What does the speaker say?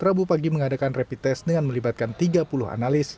rabu pagi mengadakan rapid test dengan melibatkan tiga puluh analis